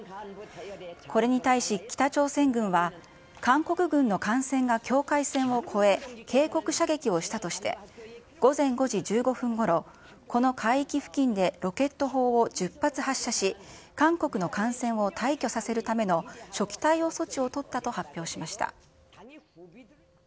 これに対し北朝鮮軍は、韓国軍の艦船が境界線を越え、警告射撃をしたとして、午前５時１５分ごろ、この海域付近でロケット砲を１０発発射し、韓国の艦船を退去させるための初期対応措置を取ったと発表しました。